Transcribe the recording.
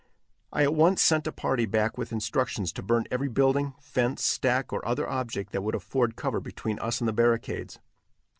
I at once sent a party back with instructions to burn every building, fence, stack or other object that would afford cover between us and the barricades.